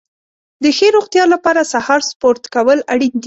د ښې روغتیا لپاره سهار سپورت کول اړین دي.